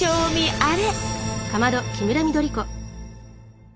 あれ？